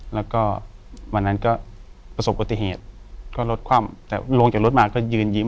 แล้วก็วันนั้นก็ประสบปฏิเหตุก็รถคว่ำแต่ลงจากรถมาก็ยืนยิ้ม